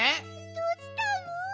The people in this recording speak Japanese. どうちたの？